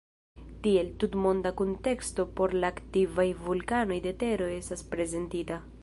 Tiel, tutmonda kunteksto por la aktivaj vulkanoj de tero estas prezentita.